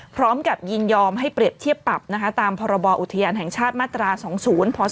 ยินยอมให้เปรียบเทียบปรับนะคะตามพรบอุทยานแห่งชาติมาตรา๒๐พศ๒๕